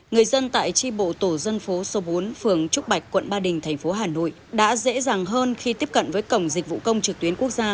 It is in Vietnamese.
người dân tại tri bộ tổ dân phố số bốn phường trúc bạch quận ba đình thành phố hà nội đã dễ dàng hơn khi tiếp cận với cổng dịch vụ công trực tuyến quốc gia